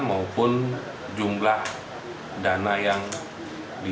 maupun jumlah dana yang diberikan